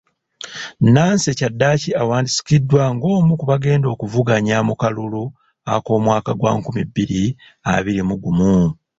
Nancy kyaddaaki awandiisikiddwa ng'omu ku bagenda okuvuganya mu kalulu ak'omwaka gwa nkumi bbiri abiri mu gumu